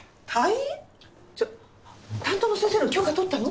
ちょっ担当の先生の許可取ったの？